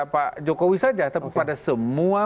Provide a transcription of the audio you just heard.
pak jokowi saja tapi pada semua